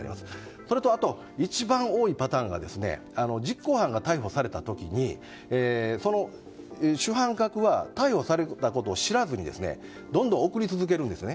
それと一番多いパターンが実行犯逮捕された時にその主犯格は逮捕されたことを知らずにどんどん送り続けるんですよね。